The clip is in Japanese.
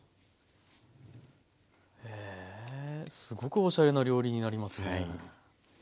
すごくおしゃれな料理になりますね。